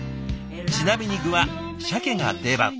ちなみに具はしゃけが定番。